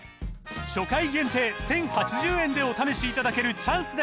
初回限定１，０８０円でお試しいただけるチャンスです